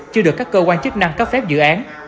chưa được các cơ quan chức năng cấp phép dự án